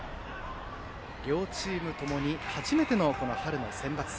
両チーム共に初めての春のセンバツ。